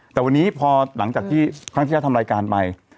แต่วันนี้พอหลังจากที่ครั้งที่เราทำรายการไป